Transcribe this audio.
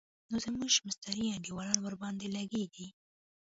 نو زموږ مستري انډيوالان ورباندې لګېږي.